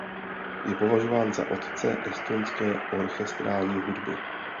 Je považován za otce estonské orchestrální hudby.